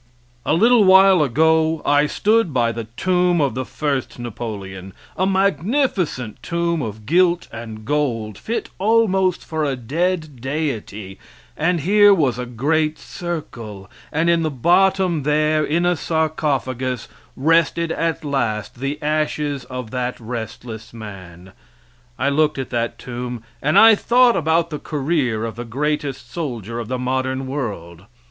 A little while ago I stood by the tomb of the first Napoleon, a magnificent tomb of gilt and gold, fit almost for a dead deity, and here was a great circle, and in the bottom there, in a sarcophagus, rested at last the ashes of that restless man. I looked at that tomb, and I thought about the career of the greatest soldier of the modern world.